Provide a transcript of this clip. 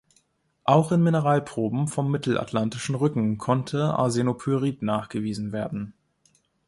Auch in Mineralproben vom Mittelatlantischen Rücken konnte Arsenopyrit nachgewiesen werden.